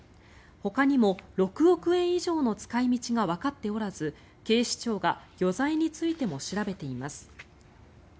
ほかにも６億円以上の使い道がわかっておらず警視庁が余罪についても調べています。